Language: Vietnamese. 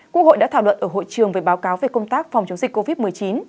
quốc hội đã thảo luận ở hội trường về báo cáo về công tác phòng chống dịch covid một mươi chín